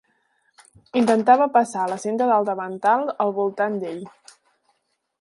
Intentava passar la cinta del davantal al voltant d'ell.